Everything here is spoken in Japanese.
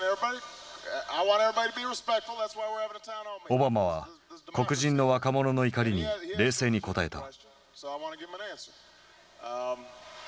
オバマは黒人の若者の怒りに冷静に答えた。